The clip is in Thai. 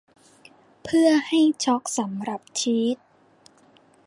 เพื่อให้ชอล์กสำหรับชีส